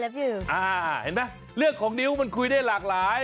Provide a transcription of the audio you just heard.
เห็นไหมเรื่องของนิ้วมันคุยได้หลากหลาย